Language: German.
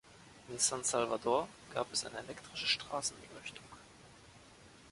In San Salvador gab es eine elektrische Straßenbeleuchtung.